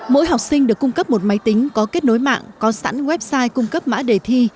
mỗi học sinh được cung cấp một máy tính có kết nối mạng có sẵn website cung cấp mã đề thi